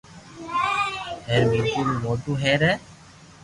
ھير مير پور خاص رو موٽو ھي